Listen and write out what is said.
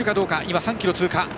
３ｋｍ通過。